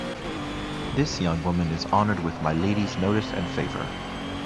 This young woman is honoured with my Lady's notice and favour.